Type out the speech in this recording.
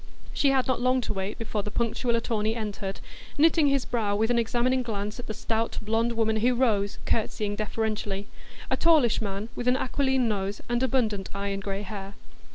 She had not long to wait before the punctual attorney entered, knitting his brow with an examining glance at the stout blond woman who rose, curtsying deferentially,—a tallish man, with an aquiline nose and abundant iron gray hair.